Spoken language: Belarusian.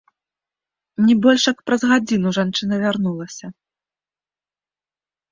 Не больш як праз гадзіну жанчына вярнулася.